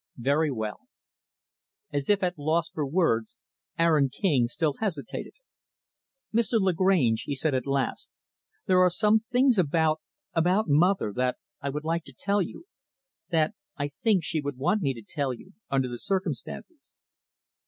"Very well." As if at loss for words, Aaron King still hesitated. "Mr. Lagrange," he said, at last, "there are some things about about mother that I would like to tell you that I think she would want me to tell you, under the circumstances."